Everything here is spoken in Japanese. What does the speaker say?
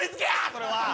それは。